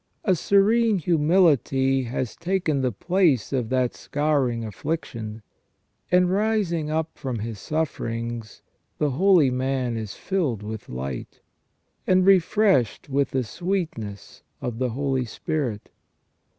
A serene humility has taken the place of that scouring affliction, and rising up from his sufferings, the holy man is filled with light, and refreshed with the sweetness of the Holy Spirit.